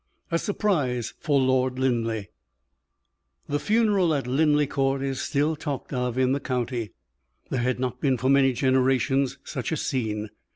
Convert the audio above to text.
A SURPRISE FOR LORD LINLEIGH. The funeral at Linleigh Court is still talked of in the county. There had not been for many generations such a scene.